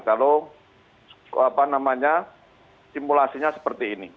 kalau simulasinya seperti ini